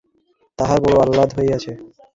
তাহার বড় আহ্লাদ হইয়াছে।